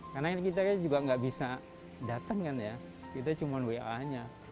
karena kita juga nggak bisa datang kan ya kita cuma wa nya